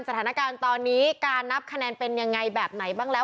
สถานการณ์ตอนนี้การนับคะแนนเป็นยังไงแบบไหนบ้างแล้ว